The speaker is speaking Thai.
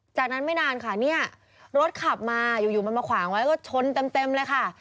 จากนั้นไม่นานค่ะเนี่ยรถขับมาอยู่มันมาขวางไว้ก็ชนเต็มเลยค่ะ